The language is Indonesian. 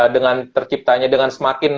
dengan terciptanya dengan semakin